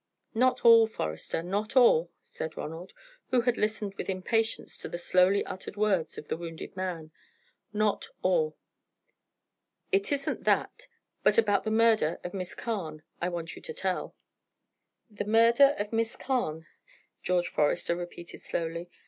"Not all, Forester, not all," said Ronald, who had listened with impatience to the slowly uttered words of the wounded man; "not all. It isn't that, but about the murder of Miss Carne I want you to tell." "The murder of Miss Carne," George Forester repeated, slowly.